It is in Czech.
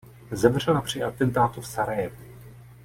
Zemřela při atentátu v Sarajevu.